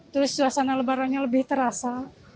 terus suasana lebarannya lebih terasa